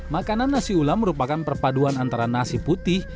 makanan nasi ulam merupakan perpaduan antara nasi putih